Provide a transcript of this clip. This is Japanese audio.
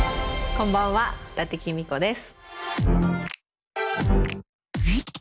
こんばんは伊達公子です。